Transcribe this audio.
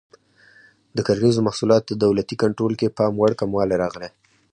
د کرنیزو محصولاتو دولتي کنټرول کې پاموړ کموالی راغی.